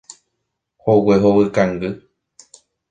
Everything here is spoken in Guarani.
Hogue hovykangy.